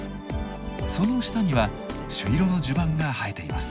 その下には朱色のじゅばんが映えています。